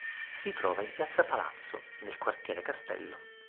Si trova in piazza Palazzo, nel quartiere Castello.